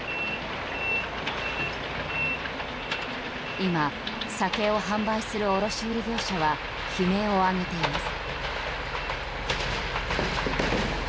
今、酒を販売する卸売業者は悲鳴を上げています。